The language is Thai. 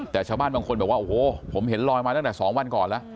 แต่ชาวบ้านบางคนบอกว่าโอ้โหผมเห็นลอยมาตั้งแต่๒วันก่อนแล้ว